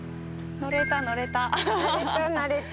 乗れた乗れた。